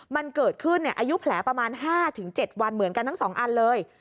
มันเกิดขึ้นอายุแผลประมาณ๕๗วันเหมือนกันทั้ง๒อันเลย